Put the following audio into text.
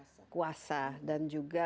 kekuasaan dan juga